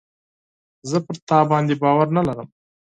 زه پر تا باندي باور نه لرم .